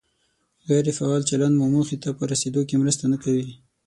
غیر فعال چلند مو موخې ته په رسېدو کې مرسته نه کوي.